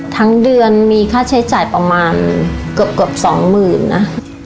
ทั้งเดือนมีค่าใช้จ่ายประมาณเกือบสองหมื่นนะ